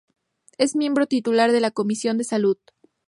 Es miembro titular de la Comisión de Salud.